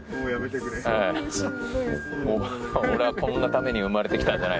もう俺はこんなために生まれてきたんじゃない。